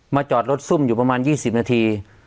จอดรถซุ่มอยู่ประมาณ๒๐นาที